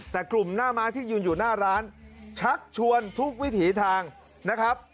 แต่กลุ่มหน้าม้าที่ยืนอยู่หน้าร้านชักชวนทุกวิถีทางนะครับ